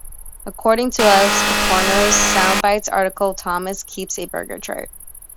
According to Alex Kapranos' "Soundbites" articles, Thomson keeps a burger chart.